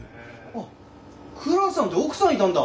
あクラさんって奥さんいたんだ。